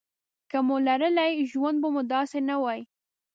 که مو لرلای ژوند به مو داسې نه وای.